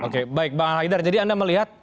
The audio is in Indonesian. oke baik bang al haidar jadi anda melihat